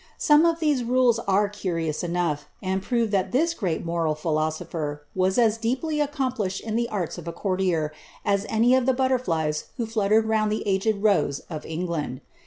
Some of these rules are curious enough, and prove that this great moral philosopher was as deeply accomplished in the arts of a courtier, as any of the butterflies who fluttered round the aged rose of England.